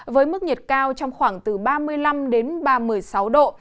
với mức nhiệt cao trong khoảng từ ba mươi năm đến ba mươi sáu độ